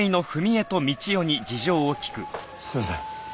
すいません。